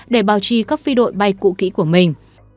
để bảo trì các phi đội bay cũ kỹ của mình